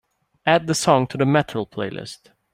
Add the song to the Metal playlist.